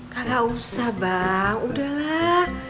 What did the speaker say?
gak usah bang udahlah